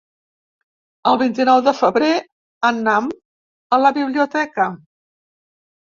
El vint-i-nou de febrer anam a la biblioteca.